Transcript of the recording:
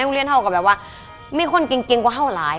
โรงเรียนเท่ากับแบบว่ามีคนเก่งกว่าเห่าหลาย